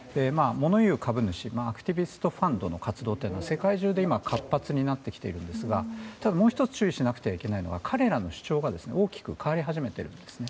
物言う株主アクティビストファンドの活動は世界中で活発になってきているんですがただ、もう１つ注意しないといけないのは彼らの主張が大きく変わり始めているんです。